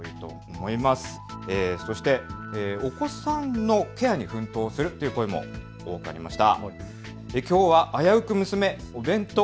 そしてお子さんのケアに奮闘するという声も多くありました。